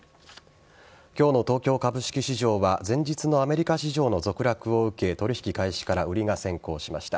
今日の東京株式市場は前日のアメリカ市場の続落を受け取引開始から売りが先行しました。